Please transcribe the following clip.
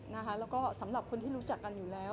แล้วก็สำหรับคนที่รู้จักกันอยู่แล้ว